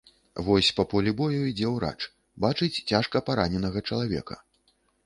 Вось па полі бою ідзе ўрач, бачыць цяжка параненага чалавека.